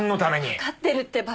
わかってるってば。